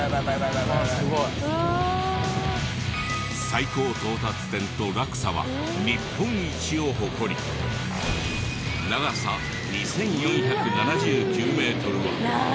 最高到達点と落差は日本一を誇り長さ２４７９メートルは世界一！